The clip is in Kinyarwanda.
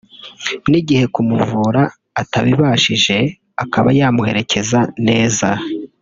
n’igihe kumuvura atabibashije akaba yamuherekeza neza